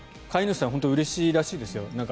飼い主さんはうれしいらしいですよ。